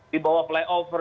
di bawah play over